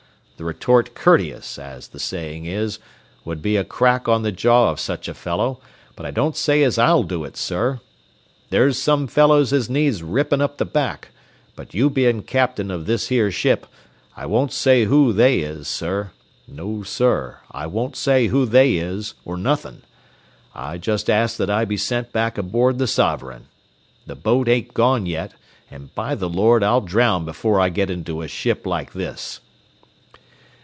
The retort courteous, as the saying is, would be a crack on the jaw of such a fellow, but I don't say as I'll do it, sir. There's some fellows as needs rippin' up the back, but you bein' captain of this here ship, I won't say who they is, sir. No, sir, I won't say who they is, or nothin'. I just ask that I be sent back aboard the Sovereign. The boat ain't gone yet, and, by the Lord, I'll drown before I get into a ship like this."